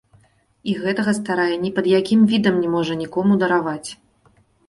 І гэтага старая ні пад якім відам не можа нікому дараваць.